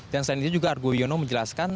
dan selain itu juga argo yono menjelaskan